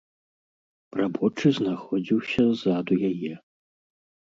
Рабочы знаходзіўся ззаду яе.